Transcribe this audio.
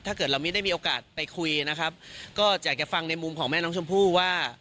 ถ้าเกิดเราไม่ได้มีโอกาสไปคุยนะครับก็อยากจะฟังในมุมของแม่น้องชมพู่ว่า